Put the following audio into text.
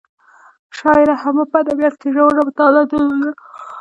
شاعره هم وه په ادبیاتو کې یې ژوره مطالعه درلوده.